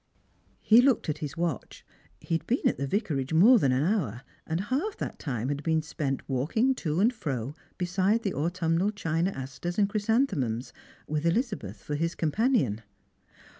He looked at his watch. He had been at the Yicarage more than an hour, and half that time had been spent walking to and fro beside the autumnal china asters and chrysanthemums, with Ehzabeth for his companion.